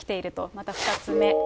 また２つ目。